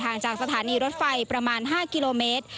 จากสถานีรถไฟประมาณ๕กิโลเมตร